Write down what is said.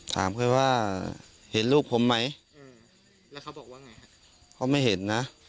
ถามเขาว่าเห็นลูกผมไหมเขาไม่เห็นนะ